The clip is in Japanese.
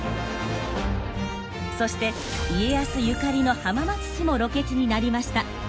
そして家康ゆかりの浜松市もロケ地になりました。